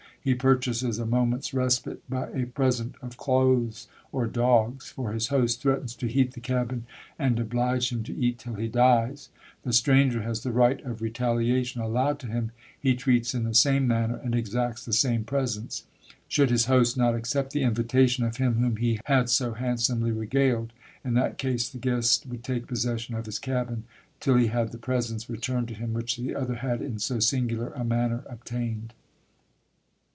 He purchases a moment's respite by a present of clothes or dogs; for his host threatens to heat the cabin, and oblige him to eat till he dies. The stranger has the right of retaliation allowed to him: he treats in the same manner, and exacts the same presents. Should his host not accept the invitation of him whom he had so handsomely regaled, in that case the guest would take possession of his cabin, till he had the presents returned to him which the other had in so singular a manner obtained.